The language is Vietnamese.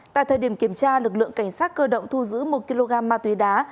tại thời điểm kiểm tra lực lượng cảnh sát cơ động thu giữ một kg ma túy đá